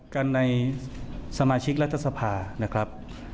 กันในสมาชิกรัฐสภานะครับ